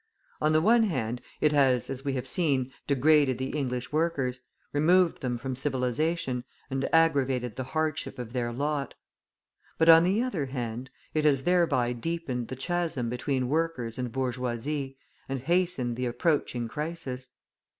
On the one hand it has, as we have seen, degraded the English workers, removed them from civilisation, and aggravated the hardship of their lot; but, on the other hand, it has thereby deepened the chasm between workers and bourgeoisie, and hastened the approaching crisis.